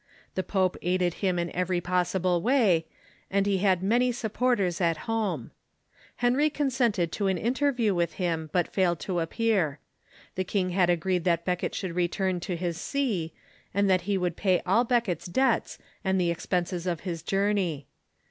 The pope aided him in every possible Avay, and he had many sup porters at home. Henry consented to an interview Death* with him, but failed to appear. The king had agreed that Becket should return to his see, and that he would pay all Becket's debts and the expenses of his journey.